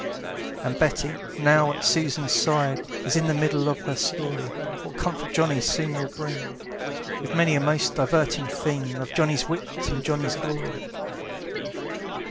And Betty, now at Susan's side, Is in the middle of her story, What comfort Johnny soon will bring, With many a most diverting thing, Of Johnny's wit and Johnny's glory.